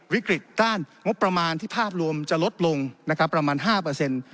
เมื่อด้านงบประมาณที่ภาพรวมจะลดลงประมาณ๕